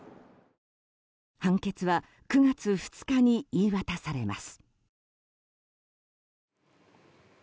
判決は９月２日に言い渡されます。